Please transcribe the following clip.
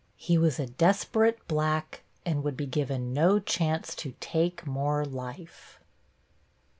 He was a desperate black and would be given no chance to take more life.